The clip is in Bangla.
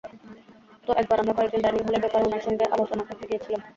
তো একবার আমরা কয়েকজন ডাইনিং হলের ব্যাপারে ওনার সঙ্গে আলোচনা করতে গিয়েছিলাম।